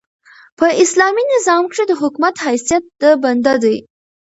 په اسلامي نظام کښي د حکومت حیثیت د بنده دئ.